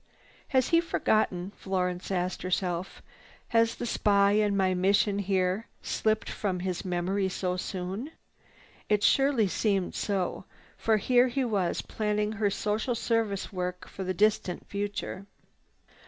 "Has he forgotten?" Florence asked herself. "Has the spy and my mission here slipped from his memory so soon?" It surely seemed so, for here he was planning her social service work for the distant future.